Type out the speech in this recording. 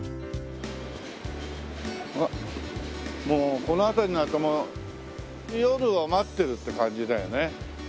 もうこの辺りになるともう夜を待ってるって感じだよね。